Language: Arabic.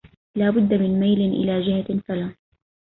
لا بد من ميل إلى جهة فلا